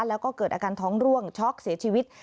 แล้วก็เกิดอาการท้องร่วงช็อกเสียชีวิต